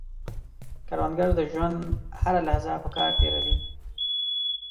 کروندګر د ژوند هره لحظه په کار تېروي